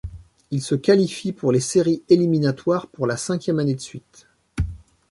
Il se qualifient pour les séries éliminatoires pour la cinquième année de suite.